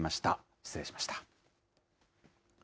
失礼しました。